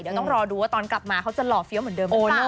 เดี๋ยวต้องรอดูว่าตอนกลับมาเขาจะหล่อเฟี้ยวเหมือนเดิมไหม